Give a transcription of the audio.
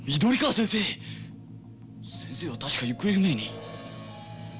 先生は確か行方不明に。